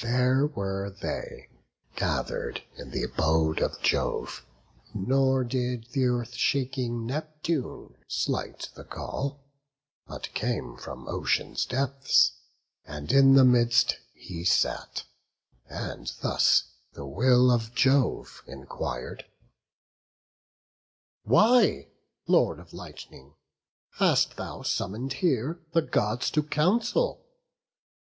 There were they gather'd in th' abode of Jove: Nor did th' Earth shaking Neptune slight the call, But came from ocean's depths, and in the midst He sat, and thus the will of Jove enquir'd: "Why, Lord of lightning, hast thou summon'd here The Gods to council?